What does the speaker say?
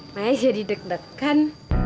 maya jadi deg degan